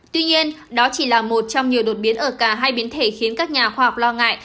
tuy nhiên đó chỉ là một trong nhiều đột biến ở cả hai biến thể khiến các nhà khoa học lo ngại